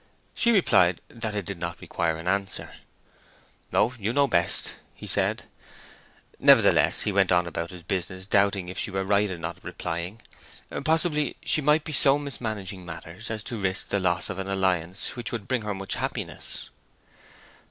She replied that it did not require an answer. "Oh, you know best," he said. Nevertheless, he went about his business doubting if she were right in not replying; possibly she might be so mismanaging matters as to risk the loss of an alliance which would bring her much happiness.